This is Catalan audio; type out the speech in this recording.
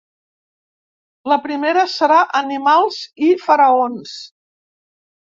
La primera serà Animals i faraons.